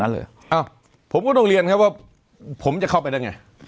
ศาลีนการตรงนั้นเหรออ้อผมก็ต้องเรียนครับว่าผมจะเข้าไปได้